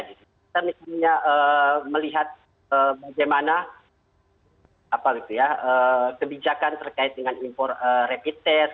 kita misalnya melihat bagaimana kebijakan terkait dengan impor rapid test